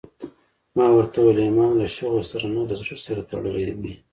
ما ورته وويل ايمان له شغل سره نه له زړه سره تړلى وي.